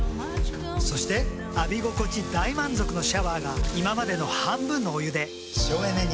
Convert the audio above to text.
そして浴び心地大満足のシャワーが今までの半分のお湯で省エネに。